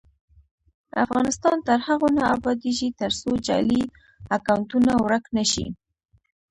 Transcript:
افغانستان تر هغو نه ابادیږي، ترڅو جعلي اکونټونه ورک نشي.